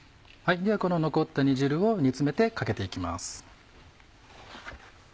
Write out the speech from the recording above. ではこの残った煮汁を煮つめてかけて行きます。